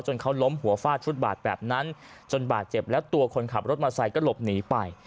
จนเขาล้มหัวฟาดชุดบาดแบบนั้นจนบาดเจ็บแล้วตัวคนขับรถมาใส่ก็หลบหนีไป